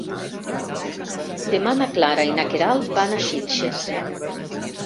Demà na Clara i na Queralt van a Xilxes.